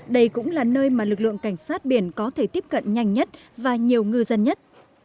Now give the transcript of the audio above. đây cũng là nơi mà lực lượng cảnh sát biển có thể tiếp cận nhanh nhất và nhiều ngư dân nhất